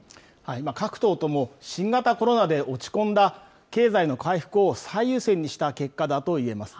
各党とも新型コロナで落ち込んだ経済の回復を最優先にした結果だといえます。